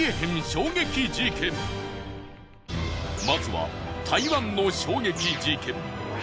まずは台湾の衝撃事件。